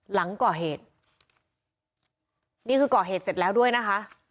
หลังก่อเหตุนี่คือก่อเหตุเสร็จแล้วด้วยนะคะ